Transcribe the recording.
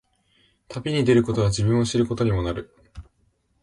旅に出ることは、自分を知ることにもなる。